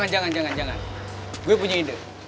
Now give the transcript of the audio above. jangan jangan gue punya ide